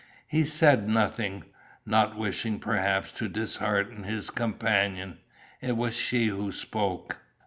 He said nothing, not wishing perhaps to dishearten his companion. It was she who spoke.